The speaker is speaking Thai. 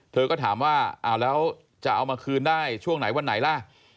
เธอก็ถามว่าแล้วจะเอามาคืนได้ช่วงไหนวันไหนล่ะ